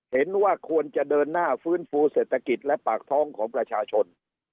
เห็นว่าควรจะเดินหน้าฟื้นฟูเศรษฐกิจและปากท้องของประชาชน